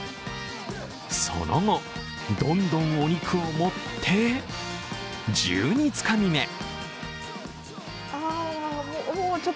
その後、どんどんお肉を盛って１２つかみ目。